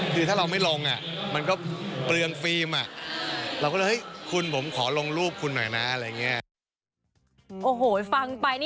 คือถ้าเราไม่ลงอ่ะมันก็เปลืองฟิล์มอ่ะ